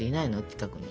近くに。